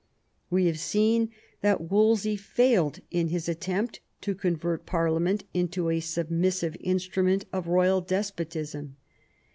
We have seen that Wolsey failed in his attempt to convert Parliament into a sub missive instrument of royal despotism.